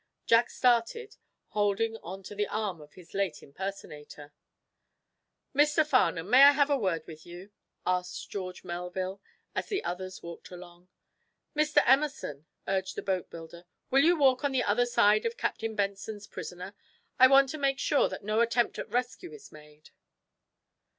Jack started, holding to the arm of his late impersonator. "Mr. Farnum, may I have a word with you?" asked George Melville, as the others walked along. "Mr. Emerson," urged the boatbuilder, "will you walk on the other side of Captain Benson's prisoner? I want to make sure that no attempt at rescue is made."